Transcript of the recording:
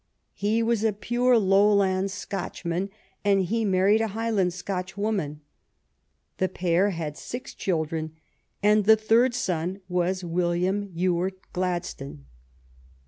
He was a pure Lowland Scotchman, and he married a Highland Scotch woman. The pair had six children, and the third son was William Ewart Glad stone.